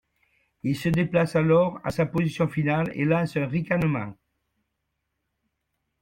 Il se déplace alors à sa position finale et lance un ricanement.